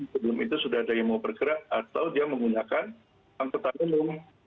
sebelum itu sudah ada yang mau bergerak atau dia menggunakan angkutan umum